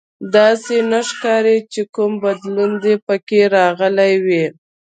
داسې نه ښکاري چې کوم بدلون دې پکې راغلی وي